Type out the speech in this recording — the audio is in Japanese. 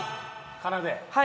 かなで。